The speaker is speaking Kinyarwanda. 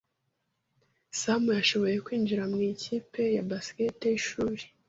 Sam yashoboye kwinjira mu ikipe ya basketball yishuri.)